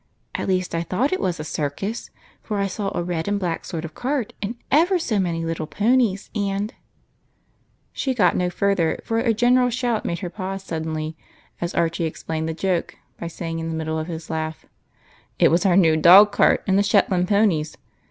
At least I thought it was a circus, for I saw a red and black sort of cart and ever so many little ponies, and —" She got no farther, for a general shout made her pause suddenly, as Archie explained the joke by saying in the middle of his laugh, —" It was our new dog cart and the Shetland ponies.